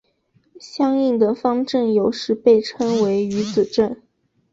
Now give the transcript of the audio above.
相应的方阵有时被称为余子阵。